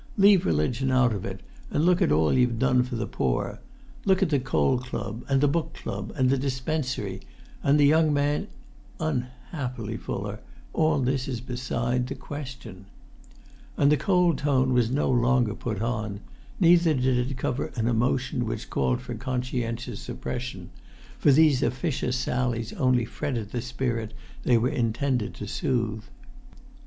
Leave religion out of it, and look at all you've done for the poor: look at the coal club, and the book club, and the dispensary, and the Young Man's——" "Unhappily, Fuller, all this is beside the question." And the cold tone was no longer put on; neither did it cover an emotion which called for conscientious suppression; for these officious sallies only fretted the spirit they were intended to soothe.